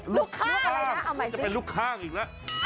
ลูกข้างจะเป็นลูกข้างอีกแล้ว